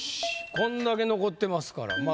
こんだけ残ってますから。